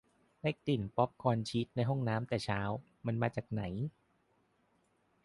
ได้กลิ่นป๊อบคอร์นชีสในห้องแต่เช้า มันมาจากไหน ?